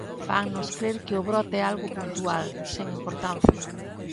Fannos crer que o brote é algo puntual, sen importancia.